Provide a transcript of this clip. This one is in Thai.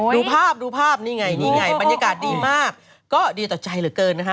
ดูภาพดูภาพนี่ไงนี่ไงบรรยากาศดีมากก็ดีต่อใจเหลือเกินนะฮะ